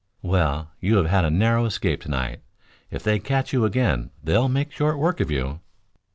"Well, you have had a narrow escape tonight. If they catch you again they'll make short work of you."